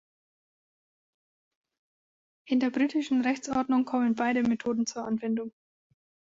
In der britischen Rechtsordnung kommen beide Methoden zur Anwendung.